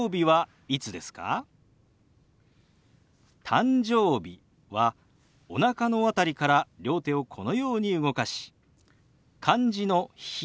「誕生日」はおなかのあたりから両手をこのように動かし漢字の「日」。